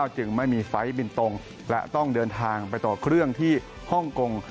จึงไม่มีไฟล์บินตรงและต้องเดินทางไปต่อเครื่องที่ฮ่องกง